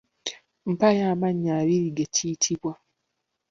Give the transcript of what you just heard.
Mpaayo amannya abiri ge kiyitibwa?